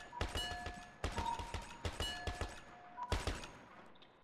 政府对土地及所属房屋的征收是民众最为关注的行为。